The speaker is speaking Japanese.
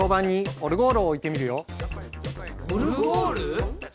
オルゴール？